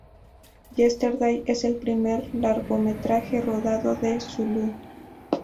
Yesterday es el primer largometraje rodado en zulú.